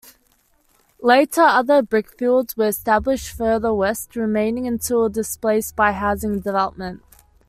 Later, other brickfields were established further west, remaining until displaced by housing development.